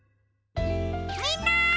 みんな！